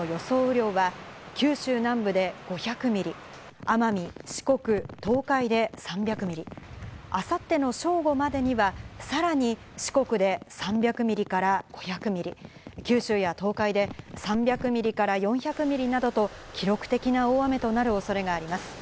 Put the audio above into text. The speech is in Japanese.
雨量は、九州南部で５００ミリ、奄美、四国、東海で３００ミリ、あさっての正午までには、さらに四国で３００ミリから５００ミリ、九州や東海で３００ミリから４００ミリなどと、記録的な大雨となるおそれがあります。